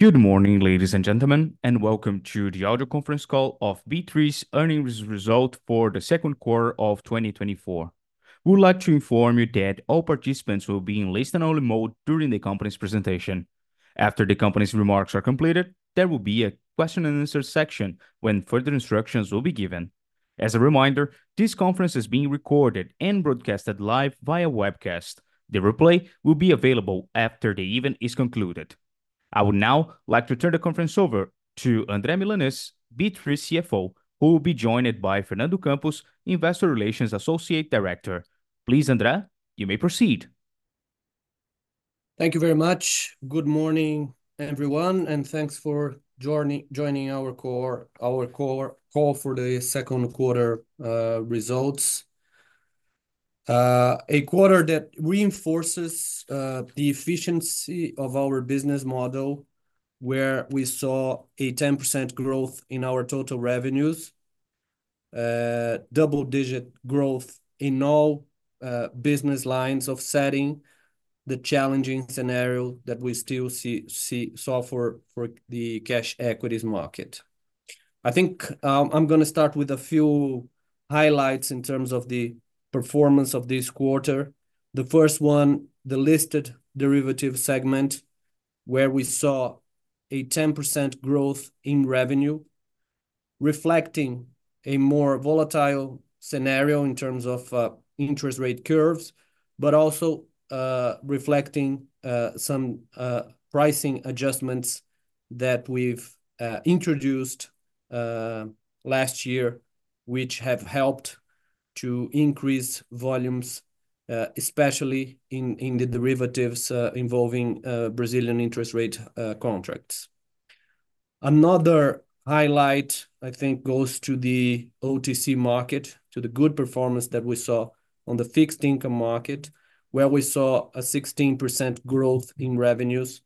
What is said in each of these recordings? Good morning, ladies and gentlemen, and welcome to the audio Conference Call of B3's Earnings Result for the Q2 of 2024. We would like to inform you that all participants will be in listen-only mode during the company's presentation. After the company's remarks are completed, there will be a question and answer section when further instructions will be given. As a reminder, this conference is being recorded and broadcasted live via webcast. The replay will be available after the event is concluded. I would now like to turn the conference over to André Milanez, B3's CFO, who will be joined by Fernando Campos, Investor Relations Associate Director. Please, André, you may proceed. Thank you very much. Good morning, everyone, and thanks for joining our quarter call for the Q2 results. A quarter that reinforces the efficiency of our business model, where we saw a 10% growth in our total revenues, double-digit growth in all business lines despite the challenging scenario that we still saw for the cash equities market. I think, I'm gonna start with a few highlights in terms of the performance of this quarter. The first one, the listed derivative segment, where we saw a 10% growth in revenue, reflecting a more volatile scenario in terms of interest rate curves, but also reflecting some pricing adjustments that we've introduced last year, which have helped to increase volumes, especially in the derivatives involving Brazilian interest rate contracts. Another highlight, I think, goes to the OTC market, to the good performance that we saw on the fixed income market, where we saw a 16% growth in revenues,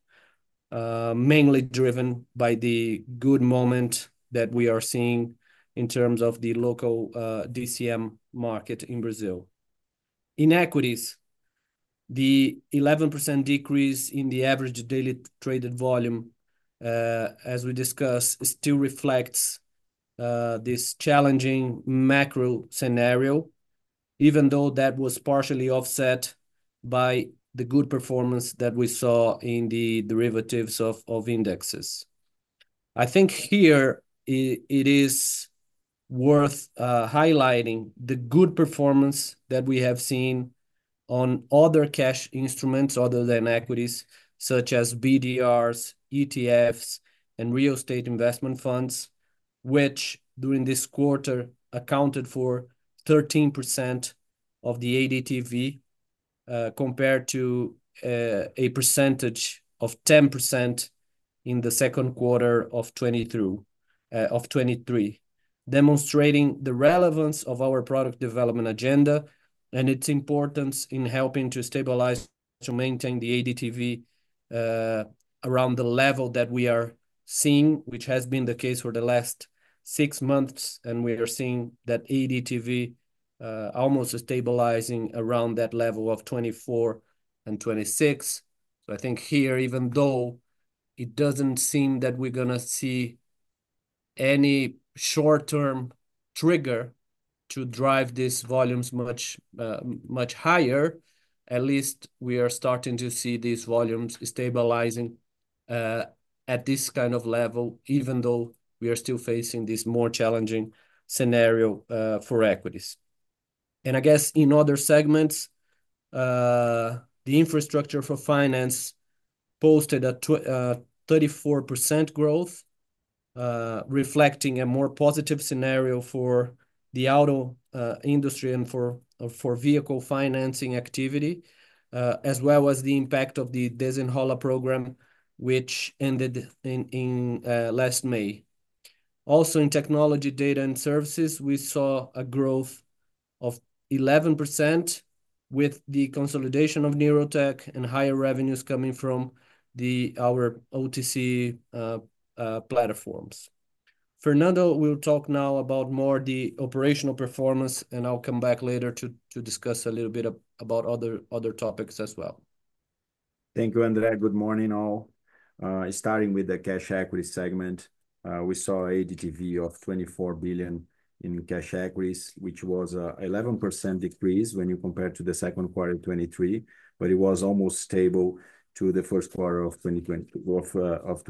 mainly driven by the good moment that we are seeing in terms of the local DCM market in Brazil. In equities, the 11% decrease in the average daily traded volume, as we discussed, still reflects this challenging macro scenario, even though that was partially offset by the good performance that we saw in the derivatives of indexes. I think here, it is worth highlighting the good performance that we have seen on other cash instruments other than equities, such as BDRs, ETFs, and real estate investment funds, which during this quarter accounted for 13% of the ADTV, compared to 10% in the Q2 of 2023. Demonstrating the relevance of our product development agenda and its importance in helping to stabilize, to maintain the ADTV, around the level that we are seeing, which has been the case for the last six months, and we are seeing that ADTV, almost stabilizing around that level of 24 and 26. So I think here, even though it doesn't seem that we're gonna see any short-term trigger to drive these volumes much, much higher, at least we are starting to see these volumes stabilizing, at this kind of level, even though we are still facing this more challenging scenario, for equities. I guess in other segments, the Infrastructure for Financing posted a 34% growth, reflecting a more positive scenario for the auto industry and for vehicle financing activity, as well as the impact of the Desenrola program, which ended in last May. Also, in Technology, Data and Services, we saw a growth of 11% with the consolidation of Neurotech and higher revenues coming from our OTC platforms. Fernando will talk now about more the operational performance, and I'll come back later to discuss a little bit about other topics as well. Thank you, André. Good morning, all. Starting with the Cash Equities segment, we saw ADTV of 24 billion in cash equities, which was an 11% decrease when you compare to the Q2 of 2023, but it was almost stable to the Q1 of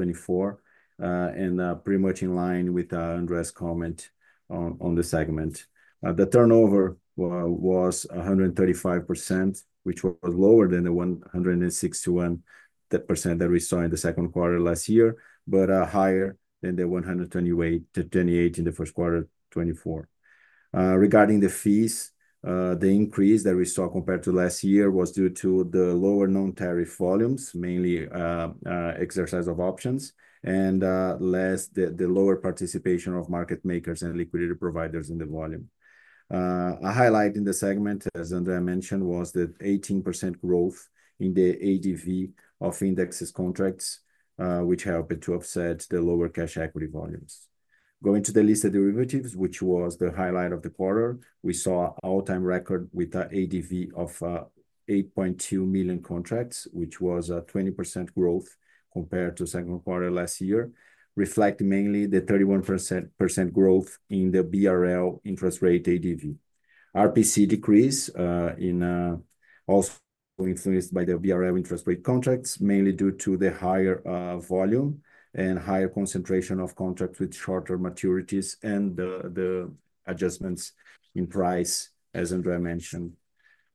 2024. Pretty much in line with André's comment on the segment. The turnover was 135%, which was lower than the 161% that we saw in the Q2 last year, but higher than the 128% in the Q1 of 2024. Regarding the fees, the increase that we saw compared to last year was due to the lower non-tariff volumes, mainly, exercise of options, and the lower participation of market makers and liquidity providers in the volume. A highlight in the segment, as André mentioned, was the 18% growth in the ADV of indexes contracts, which helped to offset the lower cash equity volumes. Going to the Listed Derivatives, which was the highlight of the quarter, we saw an all-time record with an ADV of 8.2 million contracts, which was a 20% growth compared to Q2 last year, reflecting mainly the 31% growth in the BRL interest rate ADV. RPC decrease, in, also influenced by the BRL interest rate contracts, mainly due to the higher, volume and higher concentration of contracts with shorter maturities and the adjustments in price, as André mentioned.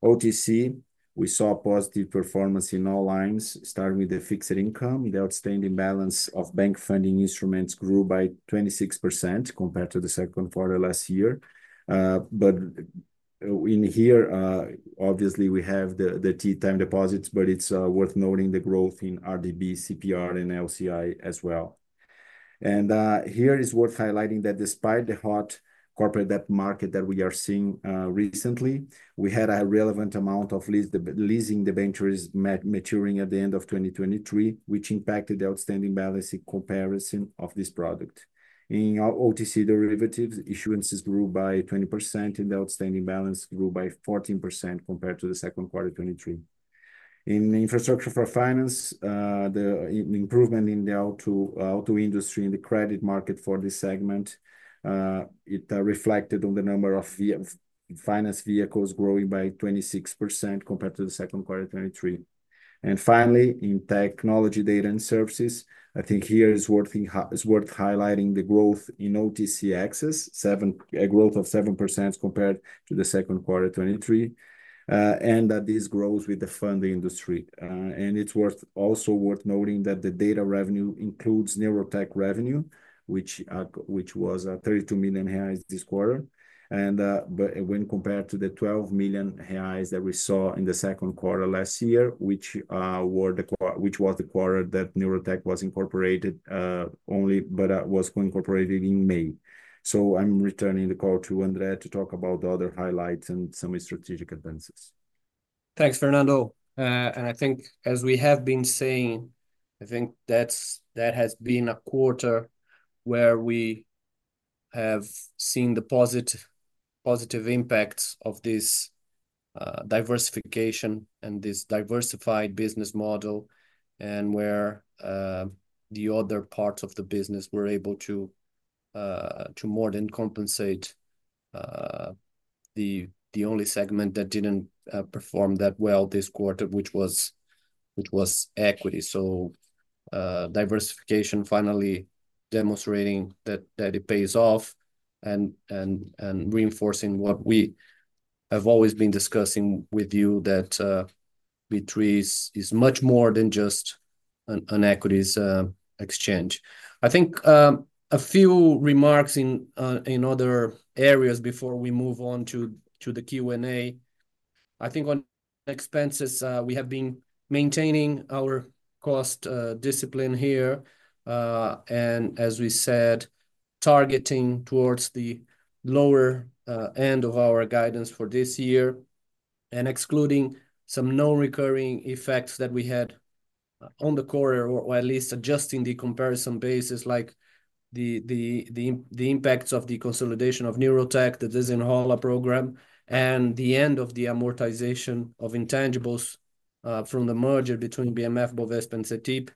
OTC, we saw positive performance in all lines, starting with the fixed income the outstanding balance of bank funding instruments grew by 26% compared to the Q2 last year. But, in here, obviously we have the, the time deposits, but it's, worth noting the growth in RDB, CPR, and LCI as well. And, here it's worth highlighting that despite the hot corporate debt market that we are seeing, recently, we had a relevant amount of leasing debentures maturing at the end of 2023, which impacted the outstanding balance in comparison of this product. In our OTC derivatives, issuances grew by 20%, and the outstanding balance grew by 14% compared to the Q2 2023. In the infrastructure for finance, the improvement in the auto industry and the credit market for this segment, it reflected on the number of financed vehicles growing by 26% compared to the Q2 2023. And finally, in Technology, Data and Services, I think here it's worth highlighting the growth in OTC access, a growth of 7% compared to the Q2 2023, and that this grows with the funding industry. And it's also worth noting that the data revenue includes Neurotech revenue, which was 32 million reais this quarter. But when compared to the 12 million reais that we saw in the Q2 last year, which was the quarter that Neurotech was incorporated, but was co-incorporated in May. So I'm returning the call to André to talk about the other highlights and some strategic advances. Thanks, Fernando. And I think as we have been saying, I think that's, that has been a quarter where we have seen the positive, positive impacts of this, diversification and this diversified business model, and where, the other parts of the business were able to- To more than compensate, the, the only segment that didn't, perform that well this quarter, which was, which was equity so, diversification finally demonstrating that, that it pays off, and, and, and reinforcing what we have always been discussing with you, that, B3 is, is much more than just an, an equities, exchange. I think, a few remarks in, in other areas before we move on to, the Q&A. I think on expenses, we have been maintaining our cost discipline here, and as we said, targeting towards the lower end of our guidance for this year, and excluding some non-recurring effects that we had on the quarter, or at least adjusting the comparison basis, like the impacts of the consolidation of Neurotech, the Desenrola program, and the end of the amortization of intangibles from the merger between BM&FBOVESPA and CETIP.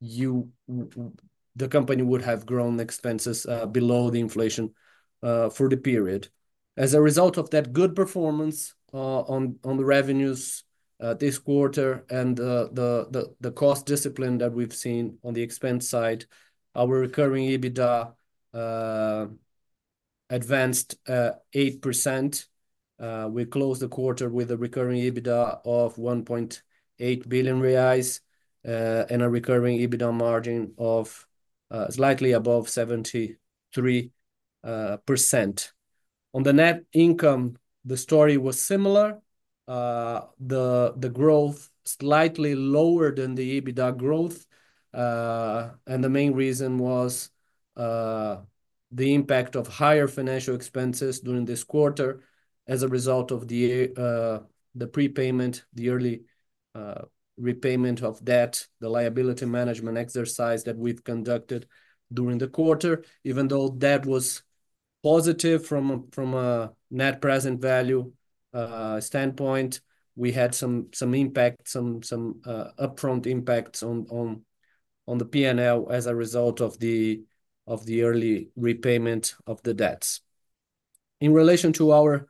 The company would have grown expenses below the inflation for the period. As a result of that good performance on the revenues this quarter and the cost discipline that we've seen on the expense side, our recurring EBITDA advanced 8%. We closed the quarter with a recurring EBITDA of 1.8 billion reais, and a recurring EBITDA margin of slightly above 73%. On the net income, the story was similar. The growth slightly lower than the EBITDA growth, and the main reason was the impact of higher financial expenses during this quarter as a result of the prepayment, the early repayment of debt, the liability management exercise that we've conducted during the quarter. Even though that was positive from a net present value standpoint, we had some upfront impacts on the P&L as a result of the early repayment of the debts. In relation to our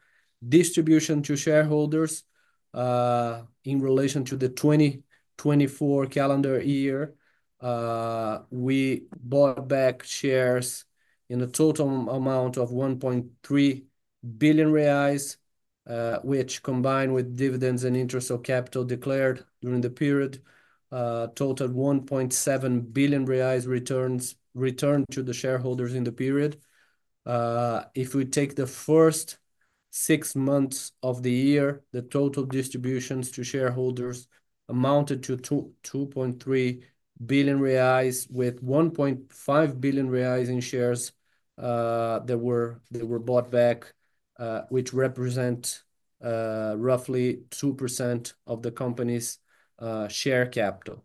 distribution to shareholders, In relation to the 2024 calendar year, we bought back shares in a total amount of 1.3 billion reais, which, combined with dividends and interest on capital declared during the period, totaled 1.7 billion reais returned to the shareholders in the period. If we take the first six months of the year, the total distributions to shareholders amounted to 2.3 billion reais, with 1.5 billion reais in shares that were bought back, which represent roughly 2% of the company's share capital.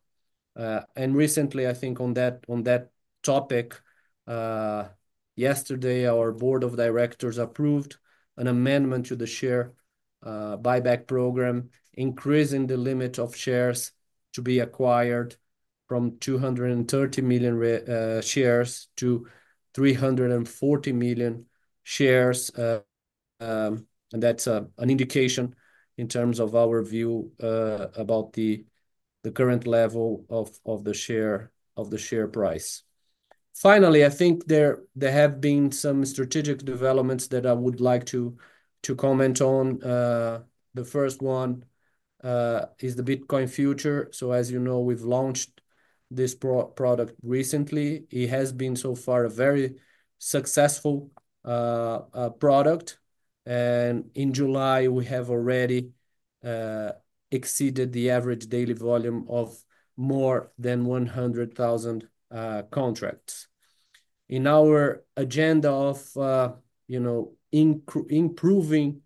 And recently, I think on that, on that topic, yesterday, our board of directors approved an amendment to the share buyback program, increasing the limit of shares to be acquired from 230 million shares to 340 million shares. And that's an indication in terms of our view about the current level of the share price. Finally, I think there have been some strategic developments that I would like to comment on. The first one is the Bitcoin Future so as you know, we've launched this product recently it has been, so far, a very successful product, and in July we have already exceeded the average daily volume of more than 100,000 contracts. In our agenda of, you know, improving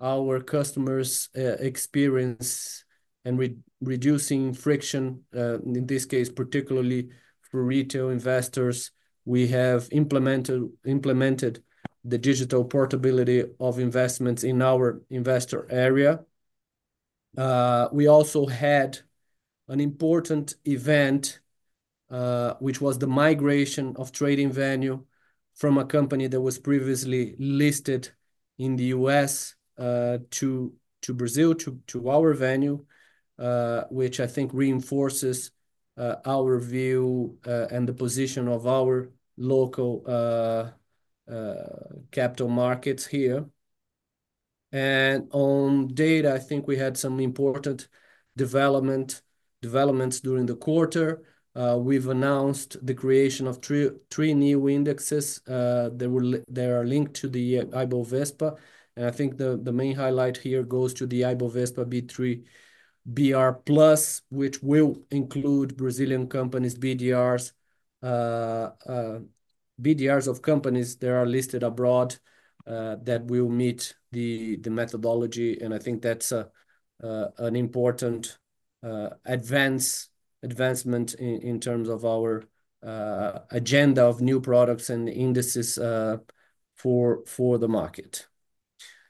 our customers' experience, and reducing friction, in this case, particularly for retail investors, we have implemented the digital portability of investments in our investor area. We also had an important event, which was the migration of trading venue from a company that was previously listed in the U.S. to Brazil, to our venue, which I think reinforces our view, and the position of our local capital markets here. On data, I think we had some important developments during the quarter. We've announced the creation of three new indexes. They are linked to the Ibovespa, and I think the main highlight here goes to the Ibovespa B3 BR+, which will include Brazilian companies, BDRs, BDRs of companies that are listed abroad, that will meet the methodology, and I think that's an important advancement in terms of our agenda of new products and indices for the market.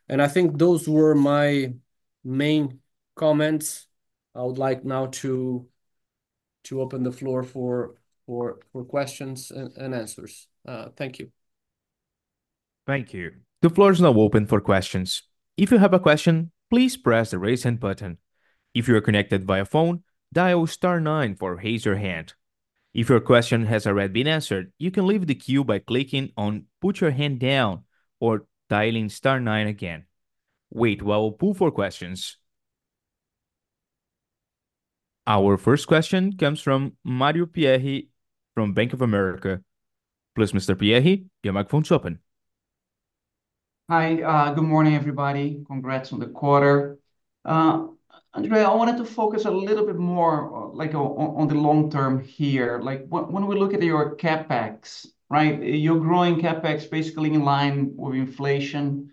And I think those were my main comments. I would like now to open the floor for questions and answers. Thank you. Thank you. The floor is now open for questions. If you have a question, please press the Raise Hand button. If you are connected via phone, dial star nine to raise your hand. If your question has already been answered, you can leave the queue by clicking on Put Your Hand Down or dialing star nine again. Wait while we poll for questions. Our first question comes from Mario Pierry from Bank of America. Please, Mr. Pierry, your microphone is open. Hi. Good morning, everybody. Congrats on the quarter. André, I wanted to focus a little bit more, like, on the long term here. Like, when we look at your CapEx, right? You're growing CapEx basically in line with inflation.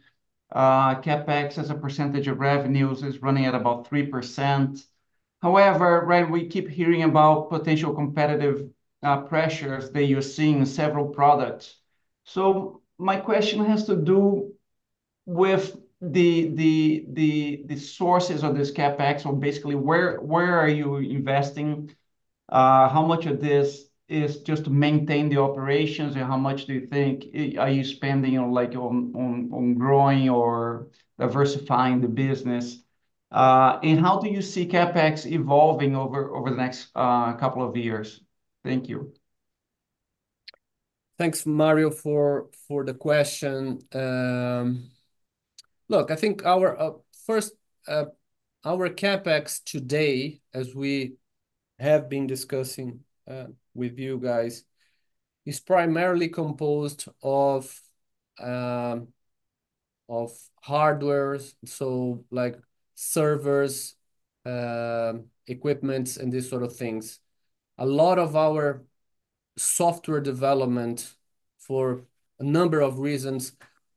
CapEx, as a percentage of revenues, is running at about 3%. However, right, we keep hearing about potential competitive pressures that you're seeing in several products. So my question has to do with the sources of this CapEx so basically, where are you investing? How much of this is just to maintain the operations, and how much do you think are you spending on, like, on growing or diversifying the business? And how do you see CapEx evolving over the next couple of years? Thank you. Thanks, Mario, for the question. Look, I think our first our CapEx today, as we have been discussing with you guys, is primarily composed of hardwares, so, like, servers, equipments, and these sort of things. A lot of our software development, for a number of reasons,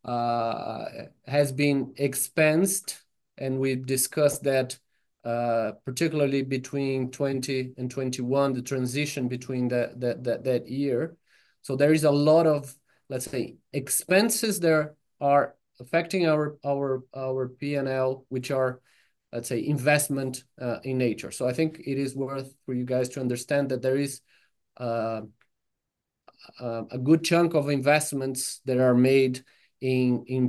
has been expensed, and we've discussed that, particularly between 2020 and 2021, the transition between that year. So there is a lot of, let's say, expenses there are affecting our P&L, which are, let's say, investment in nature so I think it is worth for you guys to understand that there is a good chunk of investments that are made in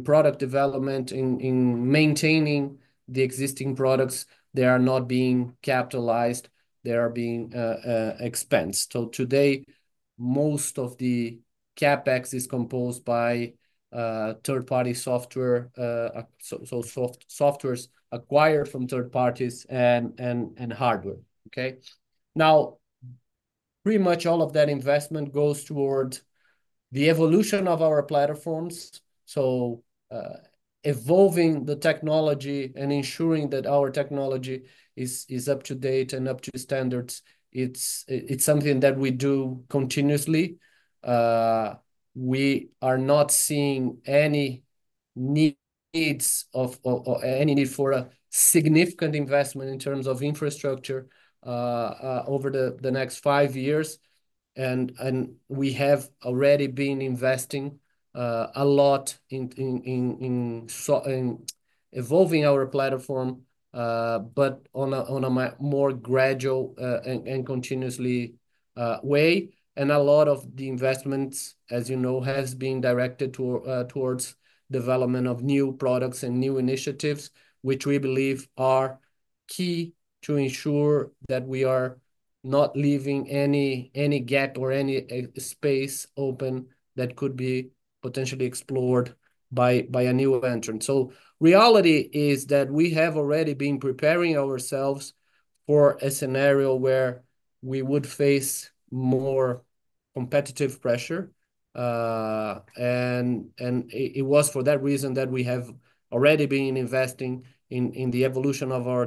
product development, in maintaining the existing products. They are not being capitalized, they are being expensed so today, most of the CapEx is composed by third-party software, software acquired from third parties and hardware. Okay? Now, pretty much all of that investment goes toward the evolution of our platforms. So, evolving the technology and ensuring that our technology is up to date and up to the standards, it's something that we do continuously. We are not seeing any need for a significant investment in terms of infrastructure over the next five years. And we have already been investing a lot in evolving our platform, but on a more gradual and continuous way. A lot of the investments, as you know, has been directed to towards development of new products and new initiatives, which we believe are key to ensure that we are not leaving any gap or any space open that could be potentially explored by a new entrant. Reality is that we have already been preparing ourselves for a scenario where we would face more competitive pressure. It was for that reason that we have already been investing in the evolution of our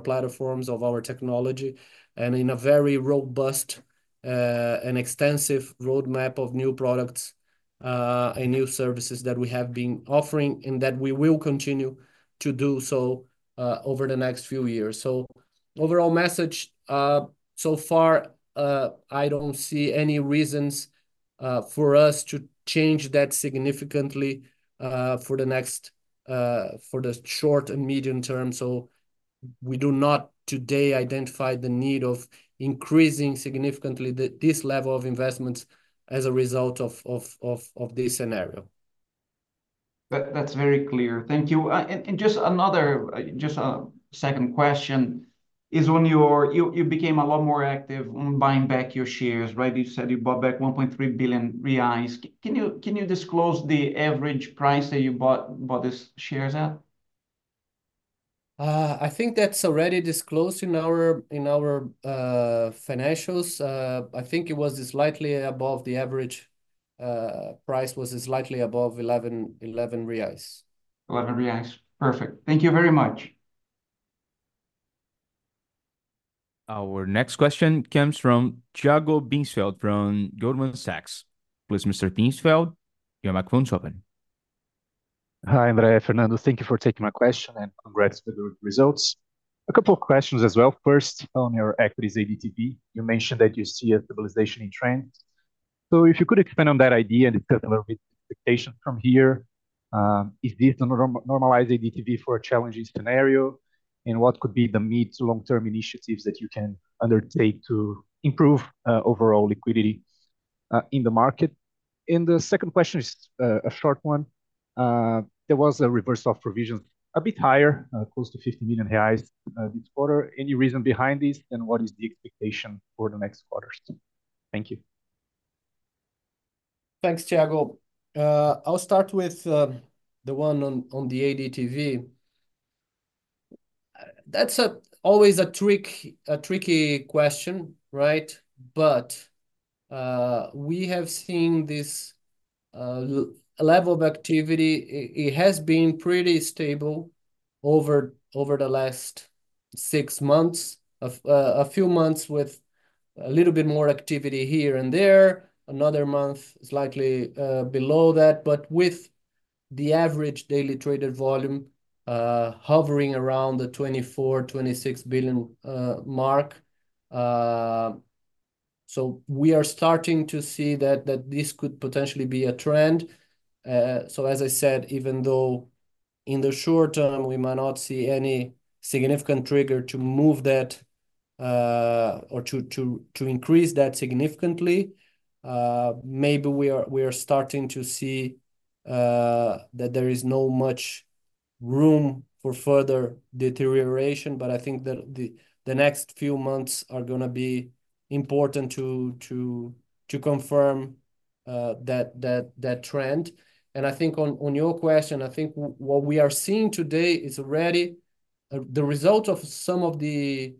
platforms, of our technology, and in a very robust and extensive roadmap of new products and new services that we have been offering, and that we will continue to do so over the next few years. So overall message, so far, I don't see any reasons for us to change that significantly, for the short and medium term. So we do not today identify the need of increasing significantly this level of investments as a result of this scenario. That, that's very clear. Thank you. And just another second question. When you're... You became a lot more active on buying back your shares, right? You said you bought back 1.3 billion reais. Can you disclose the average price that you bought these shares at? I think that's already disclosed in our financials. I think it was slightly above the average, price was slightly above 11 reais. 11 reais. Perfect. Thank you very much. Our next question comes from Thiago Binsfeld, from Goldman Sachs. Please, Mr. Binsfeld, your microphone's open. Hi, André, Fernando. Thank you for taking my question, and congrats for the results. A couple of questions as well first, on your equities ADTV, you mentioned that you see a stabilization in trend. So if you could expand on that idea and a little bit expectation from here, is this the normalized ADTV for a challenging scenario? And what could be the mid to long-term initiatives that you can undertake to improve, overall liquidity, in the market? And the second question is, a short one. There was a reversal of provision, a bit higher, close to 50 million reais, this quarter. Any reason behind this, and what is the expectation for the next quarters? Thank you. Thanks, Thiago. I'll start with the one on the ADTV. That's always a tricky question, right? But we have seen this a level of activity, it has been pretty stable over the last six months. A few months with a little bit more activity here and there, another month, slightly below that, but with the average daily traded volume hovering around the 24 billion-26 billion mark. So we are starting to see that this could potentially be a trend. So as I said, even though in the short term, we might not see any significant trigger to move that or to increase that significantly. Maybe we are starting to see that there is not much room for further deterioration but I think that the next few months are gonna be important to confirm that trend. And I think on your question, I think what we are seeing today is already the result of some of the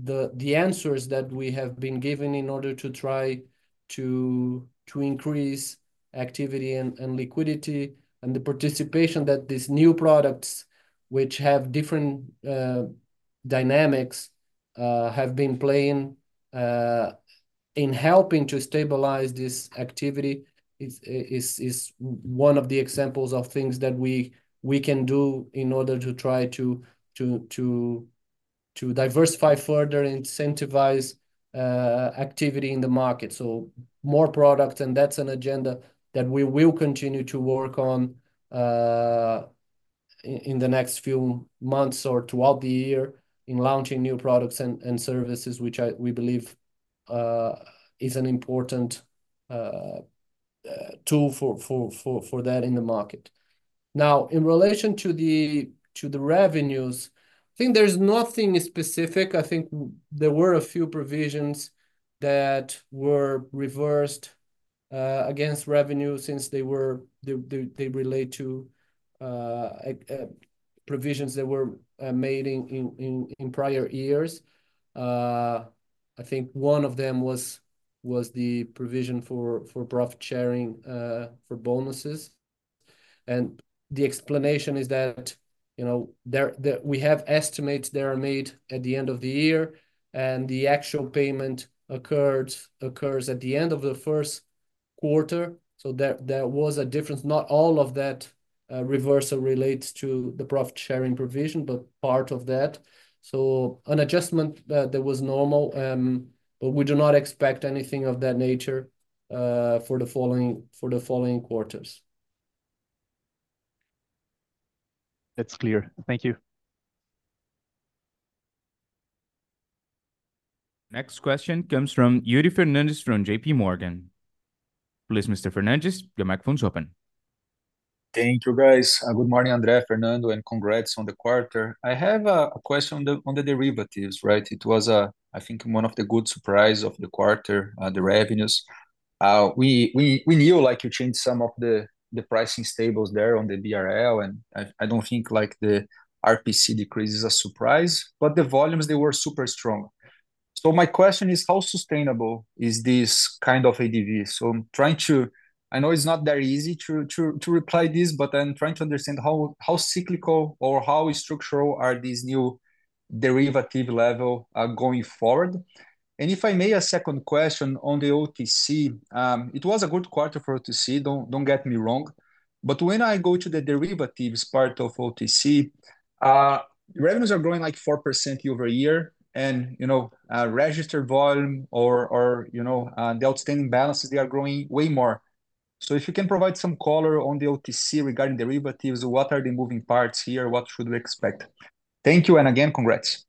answers that we have been giving in order to try to increase activity and liquidity. And the participation that these new products, which have different dynamics, have been playing in helping to stabilize this activity, is one of the examples of things that we can do in order to try to diversify further and incentivize activity in the market. So more product, and that's an agenda that we will continue to work on in the next few months or throughout the year in launching new products and services, which we believe is an important tool for that in the market. Now, in relation to the revenues, I think there's nothing specific. I think there were a few provisions that were reversed against revenue, since they relate to provisions that were made in prior years. I think one of them was the provision for profit sharing for bonuses. And the explanation is that you know, there, the, we have estimates that are made at the end of the year, and the actual payment occurs at the end of the Q1. So there was a difference not all of that reversal relates to the profit sharing provision, but part of that. So an adjustment that was normal, but we do not expect anything of that nature for the following quarters. It's clear. Thank you. Next question comes from Yuri Fernandes from J.P. Morgan. Please, Mr. Fernandes, your microphone's open. Thank you, guys. Good morning, André, Fernando, and congrats on the quarter. I have a question on the derivatives, right? It was, I think one of the good surprise of the quarter, the revenues. We knew, like, you changed some of the pricing tables there on the BRL, and I don't think, like, the RPC decrease is a surprise, but the volumes, they were super strong. So my question is: how sustainable is this kind of ADV? So I'm trying to... I know it's not very easy to reply this, but I'm trying to understand how cyclical or how structural are these new derivative level going forward? And if I may, a second question on the OTC. It was a good quarter for OTC, don't, don't get me wrong, but when I go to the derivatives part of OTC, revenues are growing, like, 4% year-over-year, and, you know, registered volume or, or, you know, the outstanding balances, they are growing way more. So if you can provide some color on the OTC regarding derivatives, what are the moving parts here? What should we expect? Thank you, and again, congrats.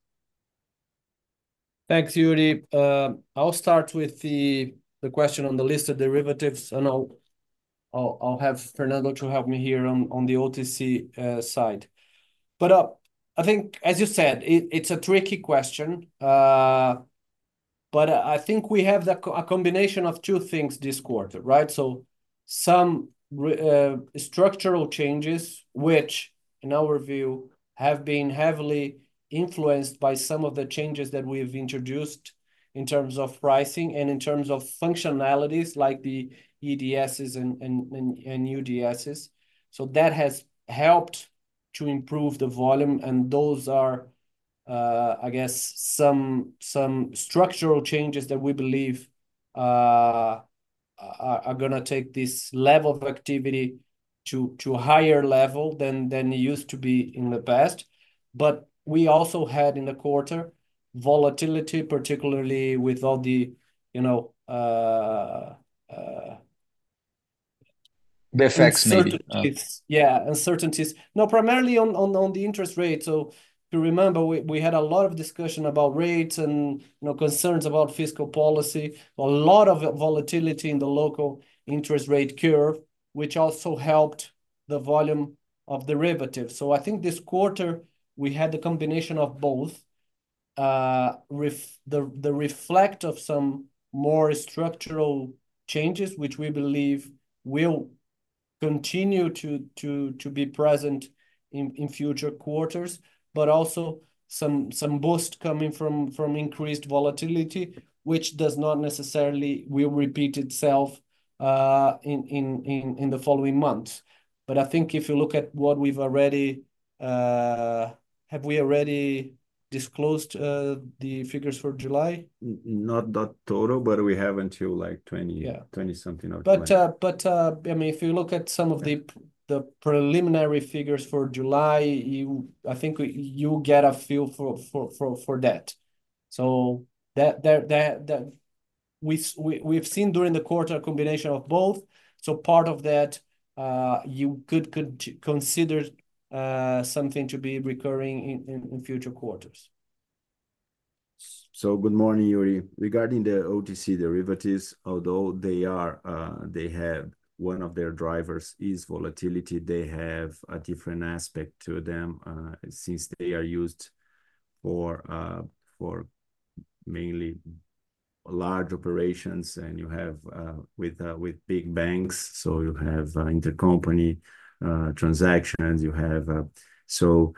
Thanks, Yuri. I'll start with the question on the listed derivatives, and I'll have Fernando to help me here on the OTC side. But I think, as you said, it's a tricky question. But I think we have a combination of two things this quarter, right? So some structural changes, which, in our view, have been heavily influenced by some of the changes that we've introduced in terms of pricing and in terms of functionalities, like the EDSs and UDSs. So that has helped to improve the volume, and those are, I guess, some structural changes that we believe are gonna take this level of activity to a higher level than it used to be in the past. But we also had, in the quarter, volatility, particularly with all the, you know- The effects maybe,... Uncertainties yeah, uncertainties. No, primarily on the interest rate. So if you remember, we had a lot of discussion about rates and, you know, concerns about fiscal policy. A lot of volatility in the local interest rate curve, which also helped the volume of derivatives so I think this quarter we had the combination of both. The reflection of some more structural changes, which we believe will continue to be present in future quarters, but also some boost coming from increased volatility, which does not necessarily will repeat itself in the following months. But I think if you look at what we've already... Have we already disclosed the figures for July? Not the total, but we have until, like, 20- Yeah... 20-something or July. But, I mean, if you look at some of the p- Yeah... The preliminary figures for July, you, I think you'll get a feel for that. So that... We've seen during the quarter a combination of both. So part of that, you could consider something to be recurring in future quarters. So good morning, Yuri. Regarding the OTC derivatives, although they are, they have one of their drivers is volatility, they have a different aspect to them, since they are used for, for mainly large operations, and you have, with, with big banks, so you have, intercompany, transactions, you have. So,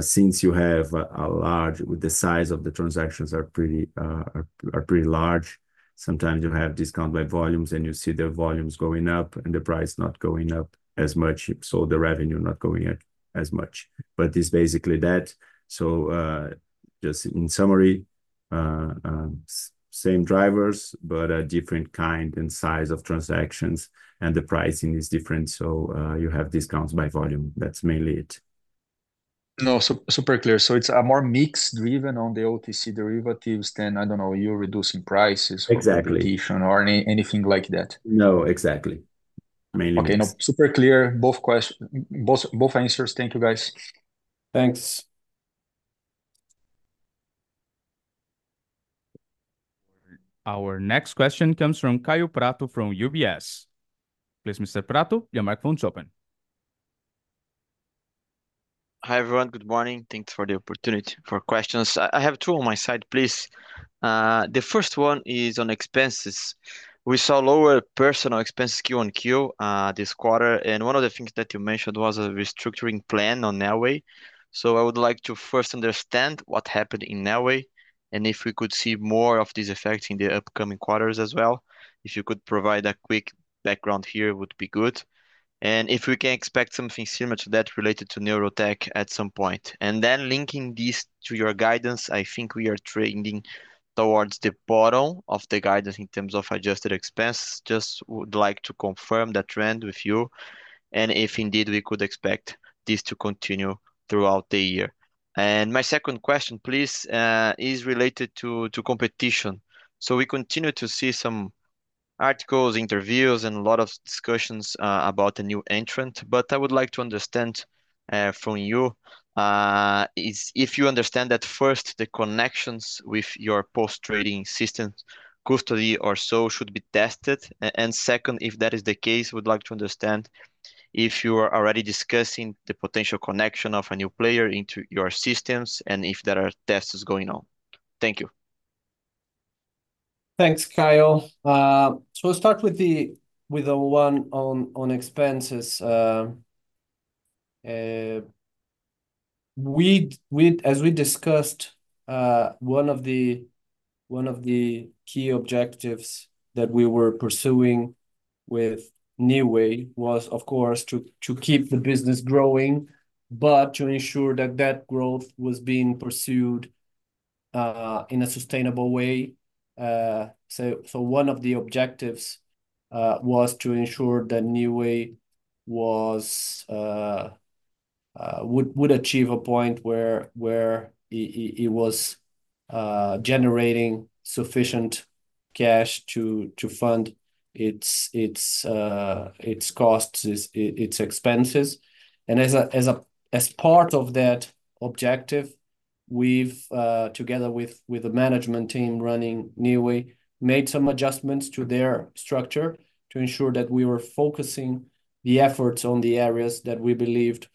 since you have, with the size of the transactions are pretty, are, are pretty large, sometimes you have discount by volumes, and you see the volumes going up and the price not going up as much, so the revenue not going up as much. But it's basically that. So, just in summary, same drivers, but a different kind and size of transactions, and the pricing is different, so, you have discounts by volume that's mainly it. No, super clear. So it's a more mixed driven on the OTC derivatives than, I don't know, you're reducing prices- Exactly... or competition or any, anything like that? No, exactly. Mainly it's- Okay, no, super clear, both questions, both answers. Thank you, guys. Thanks. Our next question comes from Kaio Prato from UBS. Please, Mr. Prato, your microphone's open. ... Hi, everyone. Good morning. Thanks for the opportunity for questions i have two on my side, please. The first one is on expenses. We saw lower personnel expenses Q on Q, this quarter, and one of the things that you mentioned was a restructuring plan on Neoway. So I would like to first understand what happened in Neoway, and if we could see more of this effect in the upcoming quarters as well. If you could provide a quick background here, would be good. And if we can expect something similar to that related to Neurotech at some point and then linking this to your guidance, I think we are trending towards the bottom of the guidance in terms of adjusted expense. Just would like to confirm that trend with you, and if indeed we could expect this to continue throughout the year. My second question, please, is related to, to competition. We continue to see some articles, interviews, and a lot of discussions about the new entrant, but I would like to understand from you is if you understand that first the connections with your post-trading system, custody or so, should be tested. And second, if that is the case, we'd like to understand if you are already discussing the potential connection of a new player into your systems, and if there are tests going on. Thank you. Thanks, Kyle. So we'll start with the one on expenses. As we discussed, one of the key objectives that we were pursuing with Neoway was, of course, to keep the business growing, but to ensure that that growth was being pursued in a sustainable way. So one of the objectives was to ensure that Neoway would achieve a point where it was generating sufficient cash to fund its costs, its expenses. And as a part of that objective, we've together with the management team running Neoway made some adjustments to their structure to ensure that we were focusing the efforts on the areas that we believed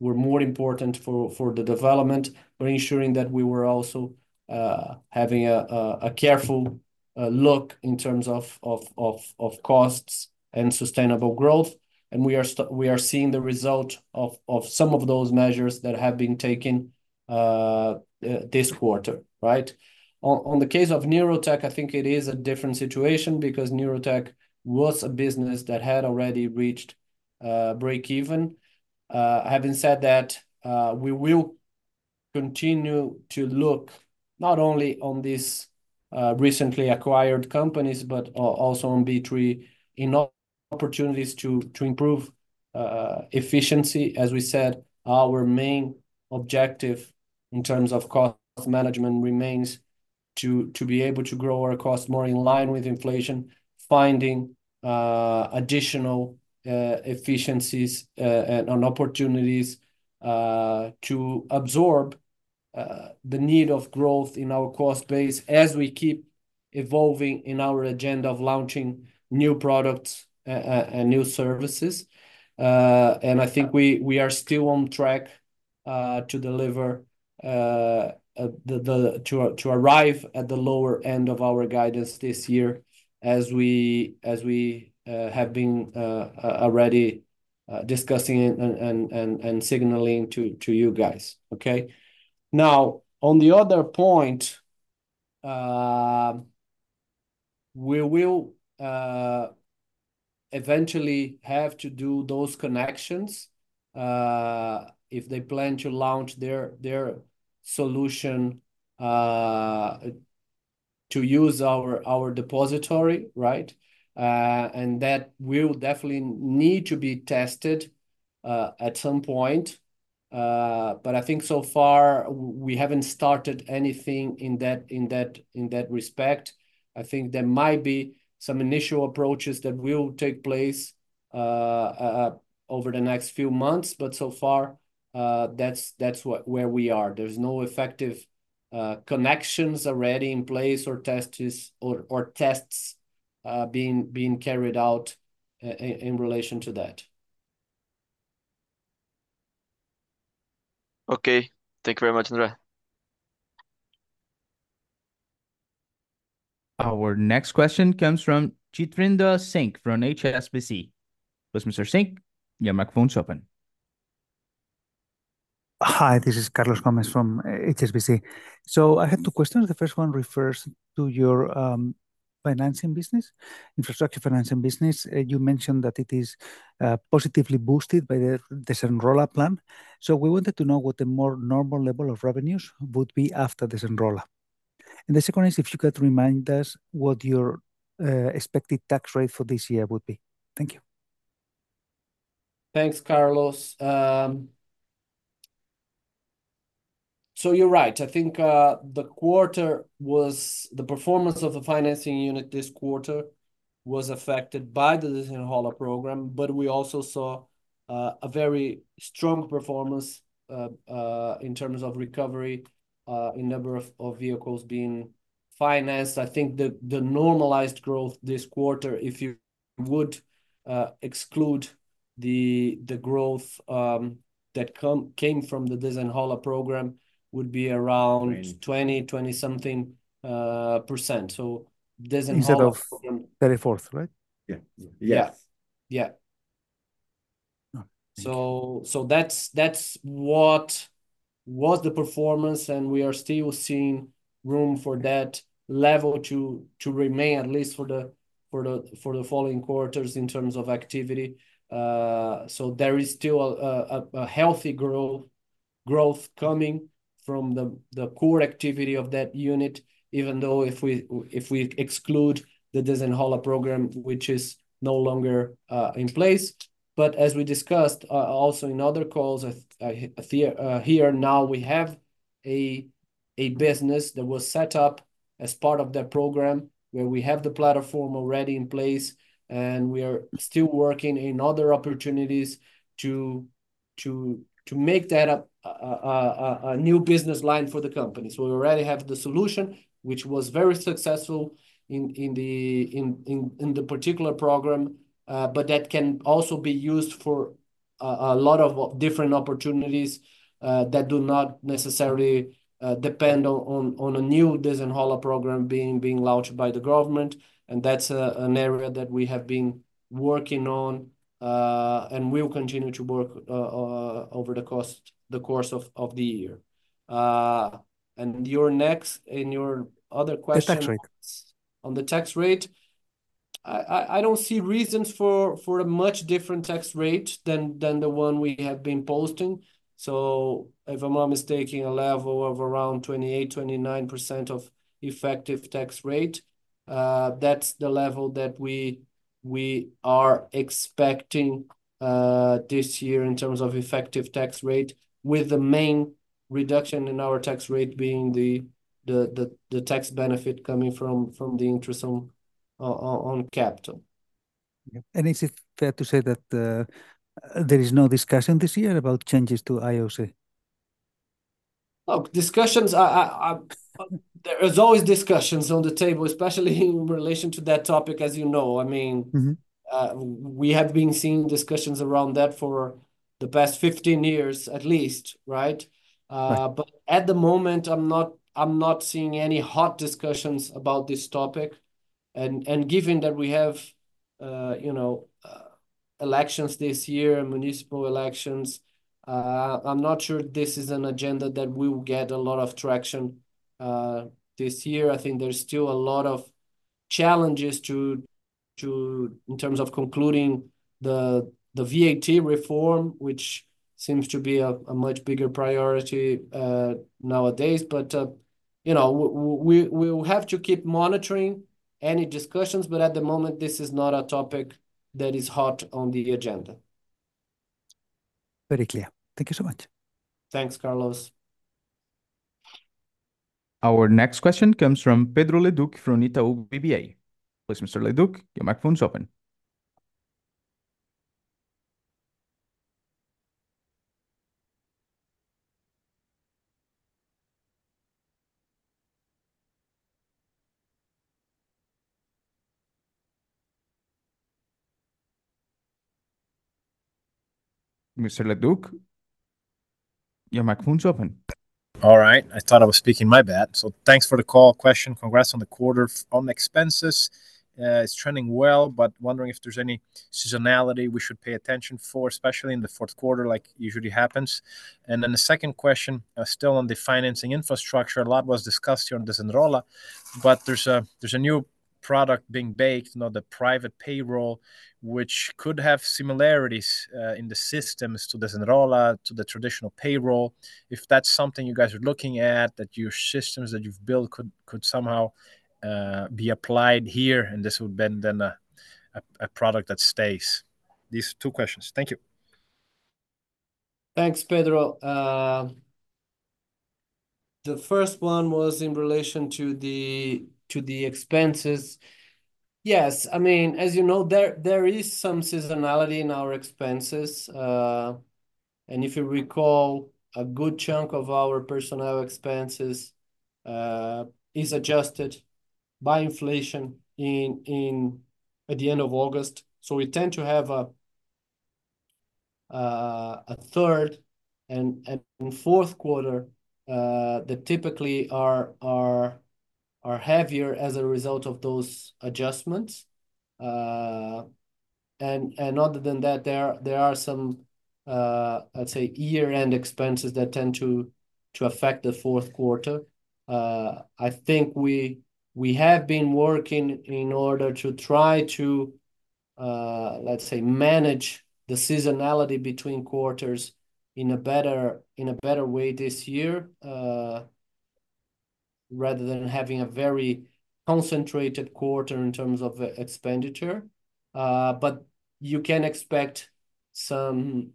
were more important for the development. We're ensuring that we were also having a careful look in terms of costs and sustainable growth, and we are seeing the result of some of those measures that have been taken this quarter, right? On the case of Neurotech, I think it is a different situation, because Neurotech was a business that had already reached breakeven. Having said that, we will continue to look not only on these recently acquired companies, but also on B3, in opportunities to improve efficiency as we said, our main objective in terms of cost management remains to be able to grow our costs more in line with inflation, finding additional efficiencies and opportunities to absorb the need of growth in our cost base as we keep evolving in our agenda of launching new products and new services. And I think we are still on track to arrive at the lower end of our guidance this year, as we have been already discussing and signaling to you guys. Okay? Now, on the other point, we will eventually have to do those connections, if they plan to launch their solution to use our depository, right? That will definitely need to be tested at some point. I think so far we haven't started anything in that respect. I think there might be some initial approaches that will take place over the next few months, but so far, that's what, where we are. There's no effective connections already in place or tests being carried out in relation to that. Okay. Thank you very much, Andre. Our next question comes from Carlos Gomez from HSBC. Yes, Mr. Gomez, your microphone's open. Hi, this is Carlos Gomez from HSBC. So I have two questions. The first one refers to your financing business, infrastructure financing business. You mentioned that it is positively boosted by the Desenrola plan. So we wanted to know what the more normal level of revenues would be after Desenrola. And the second is, if you could remind us what your expected tax rate for this year would be. Thank you. Thanks, Carlos. So you're right. I think, the quarter was... The performance of the financing unit this quarter was affected by the Desenrola program, but we also saw, a very strong performance, in terms of recovery, in number of, of vehicles being financed, I think the, the normalized growth this quarter, if you would, exclude the, the growth, that came from the Desenrola program, would be around- Right... 20, 20-something%. So Desenrola program- Instead of 34, right? Yeah. Yes. Yeah. So that's what was the performance, and we are still seeing room for that level to remain, at least for the following quarters in terms of activity. So there is still a healthy growth coming from the core activity of that unit, even though if we exclude the Desenrola program, which is no longer in place. But as we discussed also in other calls here now, we have a business that was set up as part of that program, where we have the platform already in place, and we are still working in other opportunities to make that a new business line for the company so we already have the solution, which was very successful in the particular program. But that can also be used for a lot of different opportunities that do not necessarily depend on a new Desenrola program being launched by the government, and that's an area that we have been working on and will continue to work over the course of the year. And your other question- The tax rate.... On the tax rate, I don't see reasons for a much different tax rate than the one we have been posting. So if I'm not mistaken, a level of around 28%-29% of effective tax rate, that's the level that we are expecting this year in terms of effective tax rate, with the main reduction in our tax rate being the tax benefit coming from the interest on capital. Yep, and is it fair to say that there is no discussion this year about changes to IOC? Look, discussions are... There's always discussions on the table, especially in relation to that topic, as you know. I mean- Mm-hmm... We have been seeing discussions around that for the past 15 years at least, right? Right. But at the moment, I'm not, I'm not seeing any hot discussions about this topic, and, and given that we have, you know, elections this year, municipal elections, I'm not sure this is an agenda that will get a lot of traction, this year i think there's still a lot of challenges to, to, in terms of concluding the, the VAT reform, which seems to be a, a much bigger priority, nowadays but, you know, we, we will have to keep monitoring any discussions, but at the moment, this is not a topic that is hot on the agenda. Very clear. Thank you so much. Thanks, Carlos. Our next question comes from Pedro Leduc from Itaú BBA. Please, Mr. Leduc, your microphone is open. Mr. Leduc, your microphone's open. All right. I thought I was speaking, my bad. So thanks for the call. Question, congrats on the quarter. On expenses, it's trending well, but wondering if there's any seasonality we should pay attention for, especially in the Q4, like usually happens? And then the second question, still on the financing infrastructure, a lot was discussed here on Desenrola, but there's a, there's a new product being baked, you know, the private payroll, which could have similarities, in the systems to Desenrola, to the traditional payroll. If that's something you guys are looking at, that your systems that you've built could, could somehow, be applied here, and this would be then a product that stays. These two questions. Thank you. Thanks, Pedro. The first one was in relation to the expenses. Yes, I mean, as you know, there is some seasonality in our expenses. And if you recall, a good chunk of our personnel expenses is adjusted by inflation in at the end of August. So we tend to have a Q3 and Q4 that typically are heavier as a result of those adjustments. And other than that, there are some, let's say, year-end expenses that tend to affect the Q4. I think we have been working in order to try to, let's say, manage the seasonality between quarters in a better way this year, rather than having a very concentrated quarter in terms of expenditure. But you can expect some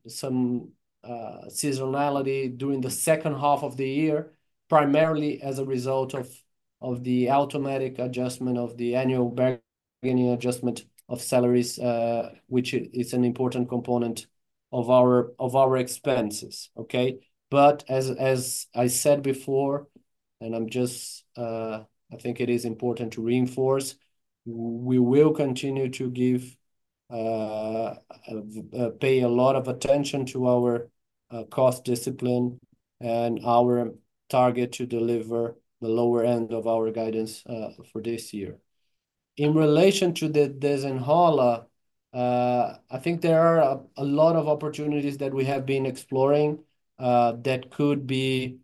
seasonality during the second half of the year, primarily as a result of the automatic adjustment of the annual budget beginning adjustment of salaries, which is an important component of our expenses, okay? But as I said before, and I'm just... I think it is important to reinforce. We will continue to give pay a lot of attention to our cost discipline and our target to deliver the lower end of our guidance for this year. In relation to the Desenrola, I think there are a lot of opportunities that we have been exploring that could be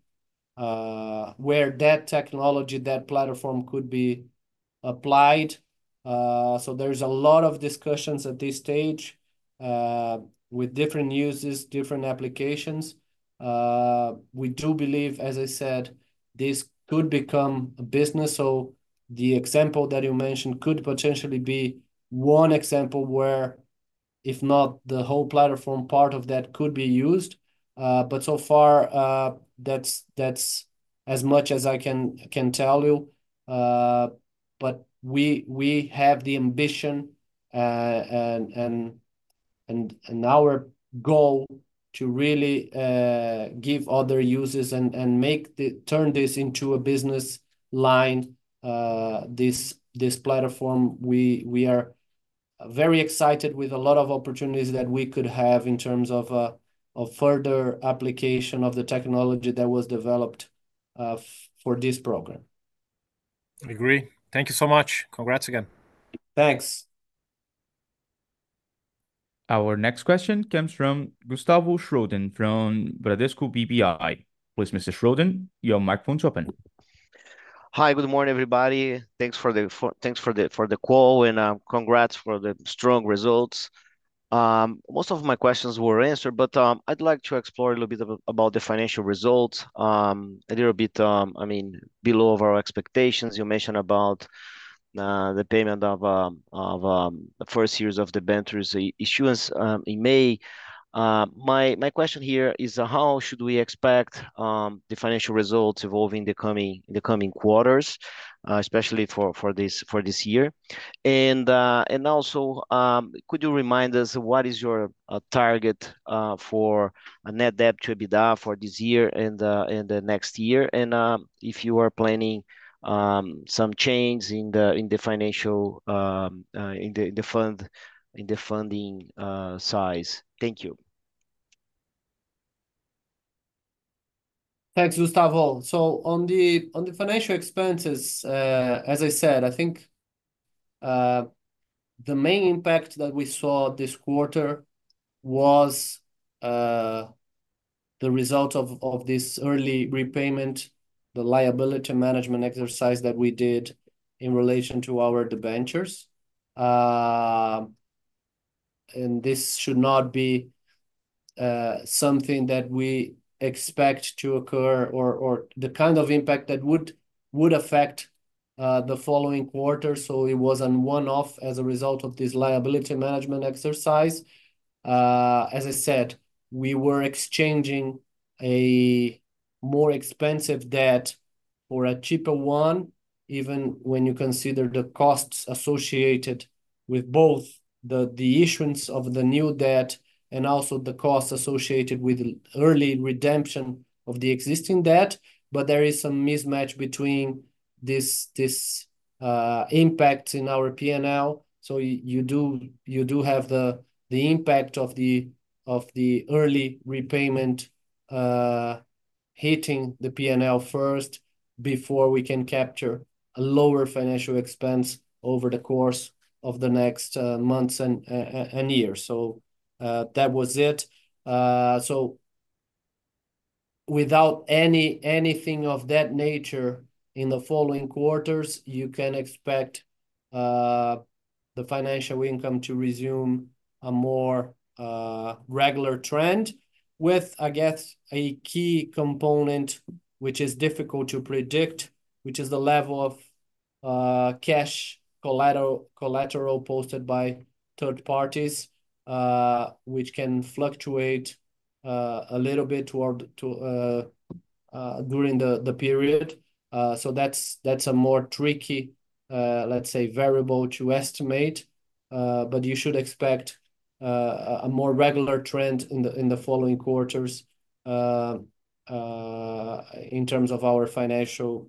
where that technology, that platform could be applied. So there's a lot of discussions at this stage with different uses, different applications. We do believe, as I said, this could become a business, so the example that you mentioned could potentially be one example where, if not the whole platform, part of that could be used. But so far, that's as much as I can tell you. But we have the ambition and our goal to really give other users and make turn this into a business line, this platform we are very excited with a lot of opportunities that we could have in terms of, of further application of the technology that was developed for this program. I agree. Thank you so much. Congrats again. Thanks. Our next question comes from Gustavo Schroden from Bradesco BBI. Please, Mr. Schroden, your microphone's open. Hi. Good morning, everybody. Thanks for the call, and congrats for the strong results. Most of my questions were answered, but I'd like to explore a little bit about the financial results. A little bit, I mean, below of our expectations you mentioned about the payment of the first years of debentures issuance in May. My question here is, how should we expect the financial results evolving in the coming quarters, especially for this year? And also, could you remind us what is your target for a net debt to EBITDA for this year and the next year, and if you are planning some change in the financial funding size? Thank you. Thanks, Gustavo. So on the financial expenses, as I said, I think, the main impact that we saw this quarter was, the result of this early repayment, the liability management exercise that we did in relation to our debentures. And this should not be, something that we expect to occur or, the kind of impact that would affect, the following quarter, so it was a one-off as a result of this liability management exercise. As I said, we were exchanging a more expensive debt for a cheaper one, even when you consider the costs associated with both the, the issuance of the new debt and also the costs associated with the early redemption of the existing debt. But there is some mismatch between this, impact in our P&L. So you do have the impact of the early repayment hitting the P&L first before we can capture a lower financial expense over the course of the next months and years. So that was it. So without anything of that nature in the following quarters, you can expect the financial income to resume a more regular trend with, I guess, a key component which is difficult to predict, which is the level of cash collateral, collateral posted by third parties, which can fluctuate a little bit toward to during the period. So that's a more tricky, let's say, variable to estimate. But you should expect a more regular trend in the following quarters in terms of our financial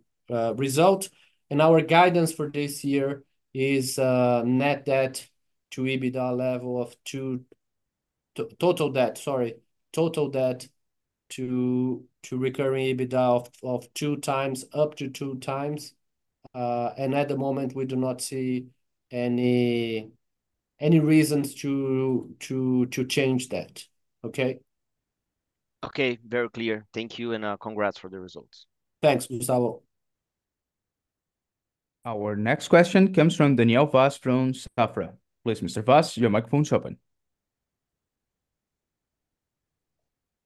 result. And our guidance for this year is net debt to EBITDA level of 2... Total debt, sorry. Total debt to recurring EBITDA of 2x, up to 2x. And at the moment, we do not see any reasons to change that. Okay? Okay. Very clear. Thank you, and, congrats for the results. Thanks, Gustavo. Our next question comes from Daniel Vaz from Safra. Please, Mr. Vaz, your microphone's open.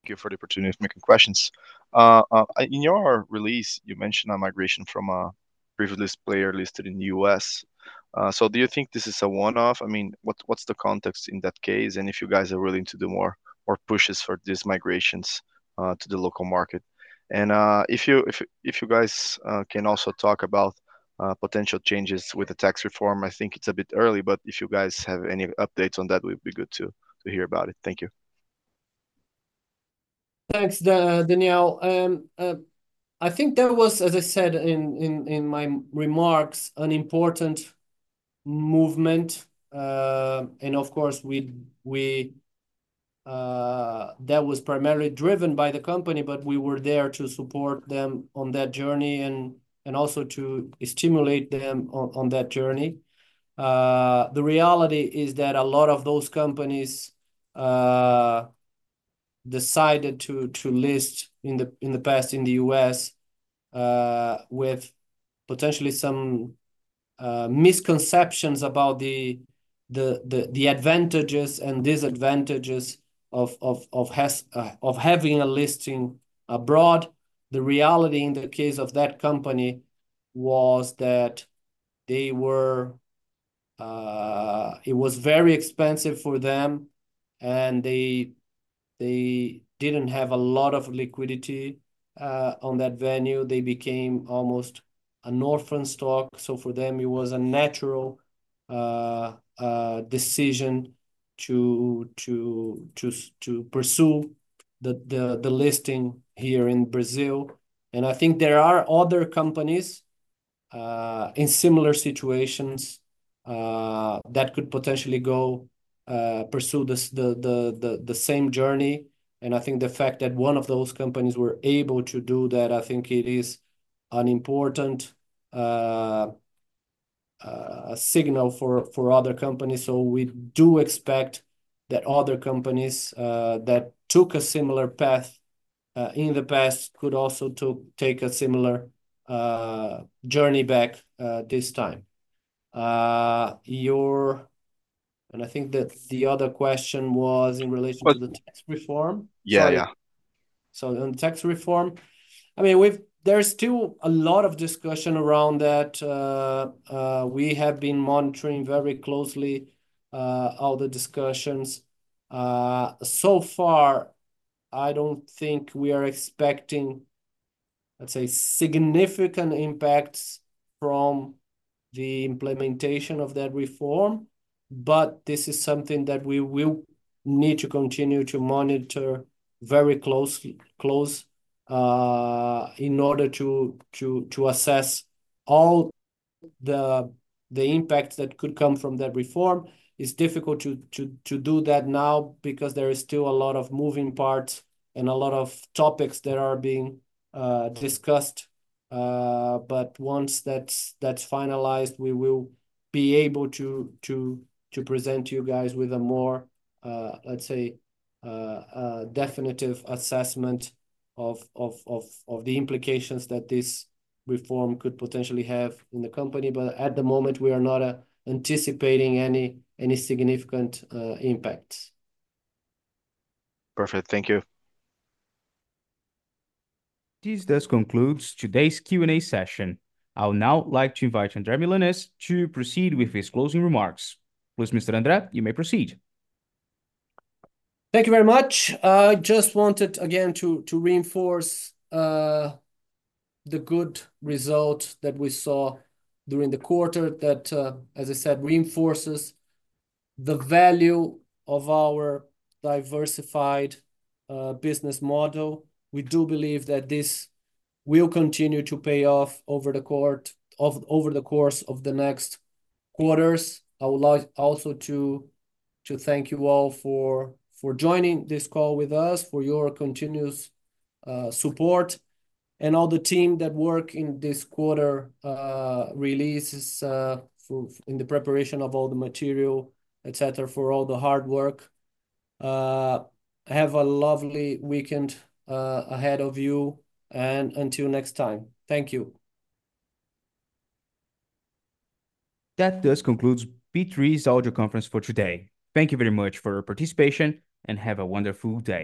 Thank you for the opportunity of making questions. In your release, you mentioned a migration from a previous player listed in the U.S. So do you think this is a one-off? I mean, what's the context in that case, and if you guys are willing to do more pushes for these migrations to the local market? And if you guys can also talk about potential changes with the tax reform, I think it's a bit early, but if you guys have any updates on that, it would be good to hear about it. Thank you.... Thanks, Daniel. I think that was, as I said in my remarks, an important movement. And of course, we, that was primarily driven by the company, but we were there to support them on that journey and also to stimulate them on that journey. The reality is that a lot of those companies decided to list in the past, in the U.S., with potentially some misconceptions about the advantages and disadvantages of having a listing abroad. The reality in the case of that company was that they were... It was very expensive for them, and they didn't have a lot of liquidity on that venue they became almost an orphan stock, so for them it was a natural decision to pursue the listing here in Brazil. And I think there are other companies in similar situations that could potentially go pursue this, the same journey. And I think the fact that one of those companies were able to do that. I think it is an important signal for other companies. So we do expect that other companies that took a similar path in the past could also take a similar journey back this time. And I think that the other question was in relation- Well- -to the tax reform? Yeah, yeah. So on tax reform, I mean, we've... There's still a lot of discussion around that. We have been monitoring very closely all the discussions. So far, I don't think we are expecting, let's say, significant impacts from the implementation of that reform, but this is something that we will need to continue to monitor very closely in order to assess all the impacts that could come from that reform. It's difficult to do that now, because there is still a lot of moving parts and a lot of topics that are being discussed. But once that's finalized, we will be able to present you guys with a more, let's say, definitive assessment of the implications that this reform could potentially have in the company but at the moment, we are not anticipating any significant impacts. Perfect. Thank you. This concludes today's Q&A session. I would now like to invite André Milanez to proceed with his closing remarks. Please, Mr. André, you may proceed. Thank you very much. I just wanted, again, to reinforce the good result that we saw during the quarter, that, as I said, reinforces the value of our diversified business model. We do believe that this will continue to pay off over the course of the next quarters. I would like also to thank you all for joining this call with us, for your continuous support, and all the team that work in this quarter releases, for in the preparation of all the material, et cetera, for all the hard work. Have a lovely weekend ahead of you, and until next time, thank you. That concludes B3's audio conference for today. Thank you very much for your participation, and have a wonderful day.